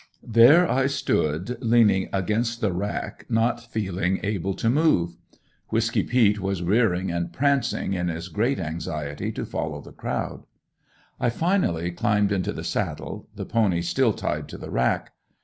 There I stood leaning against the rack not feeling able to move. Whisky peet was rearing and prancing in his great anxiety to follow the crowd. I finally climbed into the saddle, the pony still tied to the rack.